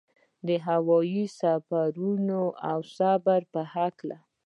د هوايي سفرونو او صبر په هکله.